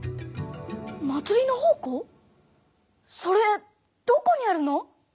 それどこにあるの！？